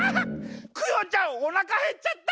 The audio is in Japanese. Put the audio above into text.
クヨちゃんおなかへっちゃった！